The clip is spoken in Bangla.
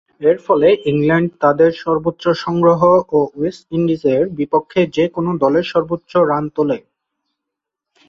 এরফলে ইংল্যান্ড তাদের সর্বোচ্চ সংগ্রহ ও ওয়েস্ট ইন্ডিজের বিপক্ষে যে-কোন দলের সর্বোচ্চ রান তোলে।